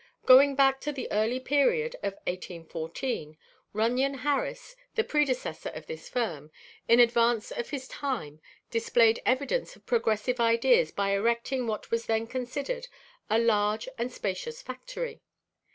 Going back to the early period of 1814, Runyon Harris, the predecessor of this firm, in advance of his time displayed evidence of progressive ideas by erecting what was then considered a large and spacious factory.